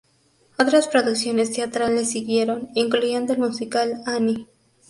Otras producciones teatrales siguieron, incluyendo el musical "Annie".